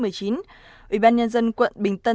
ủy ban nhân dân quận bình tân